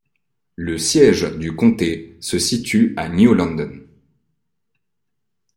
Le siège du comté se situe à New London.